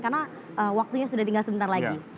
karena waktunya sudah tinggal sebentar lagi